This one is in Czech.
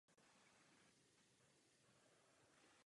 Premiérový titul na trávě vybojovala Angelique Kerberová.